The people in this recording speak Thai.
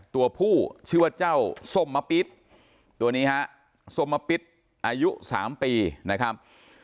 ตัวผู้ชื่อว่าเจ้าสมปิศตัวนี้ฮะสมปิศอายุสามปีนะครับ